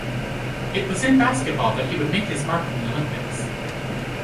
It was in basketball that he would make his mark in the Olympics.